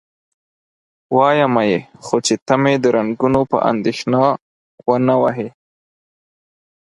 وایمه یې، خو چې ته مې د رنګونو په اندېښنه و نه وهې؟